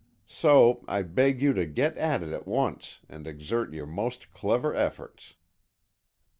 So, I beg you to get at it at once and exert your most clever efforts."